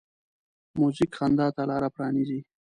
موزیک خندا ته لاره پرانیزي.